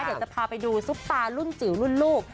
เดี๋ยวจะพาไปดูซุปตารุ่นจิ๋วรุ่นลูก